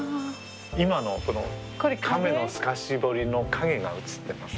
今の亀の透かし彫りの影が映ってます。